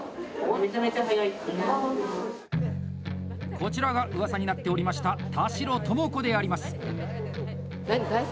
こちらがうわさになっておりました田代朋子であります。